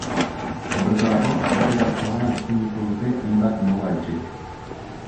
Horretarako, aukera zabala eskainiko dute hainbat moda-etxek.